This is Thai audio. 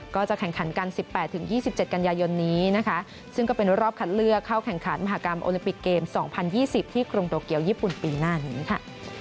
ก็จะแข่งขันกัน๑๘๒๗กันยายนนี้นะคะซึ่งก็เป็นรอบคัดเลือกเข้าแข่งขันมหากรรมโอลิมปิกเกม๒๐๒๐ที่กรุงโตเกียวญี่ปุ่นปีหน้านี้ค่ะ